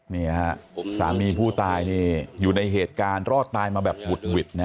นี่ฮะสามีผู้ตายนี่อยู่ในเหตุการณ์รอดตายมาแบบบุดหวิดนะฮะ